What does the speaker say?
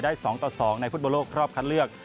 ๒ต่อ๒ในฟุตบอลโลกรอบคัดเลือก